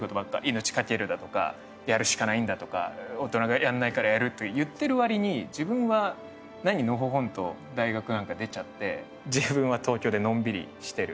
「命かける」だとか「やるしかないんだ」とか「大人がやらないからやる」と言ってる割に自分は何のほほんと大学なんか出ちゃって自分は東京でのんびりしてる。